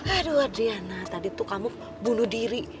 aduh adriana tadi tuh kamu bunuh diri